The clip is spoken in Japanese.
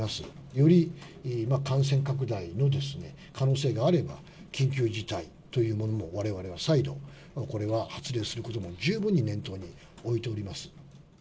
より感染拡大のですね、可能性があれば、緊急事態というものもわれわれは再度、これは発令することも十分に念頭に置いております。